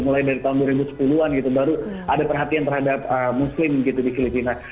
mulai dari tahun dua ribu sepuluh an gitu baru ada perhatian terhadap muslim gitu di filipina